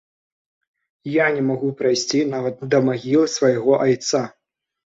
А я не магу прайсці нават да магілы свайго айца.